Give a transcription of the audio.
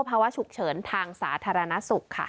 ภาวะฉุกเฉินทางสาธารณสุขค่ะ